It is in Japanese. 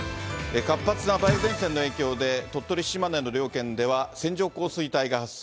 活発な梅雨前線の影響で、鳥取、島根の両県では、線状降水帯が発生。